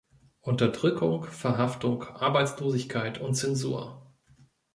Unterdrückung, Verhaftung, Arbeitslosigkeit und Zensur!